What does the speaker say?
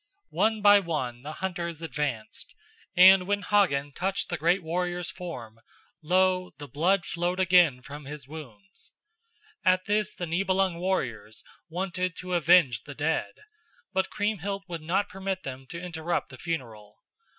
One by one the hunters advanced, and when Hagen touched the great warrior's form, lo, the blood flowed again from his wounds. At this the Nibelung warriors wanted to avenge the dead, but Kriemhild would not permit them to interrupt the funeral.